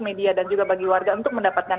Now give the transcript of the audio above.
media dan juga bagi warga untuk mendapatkan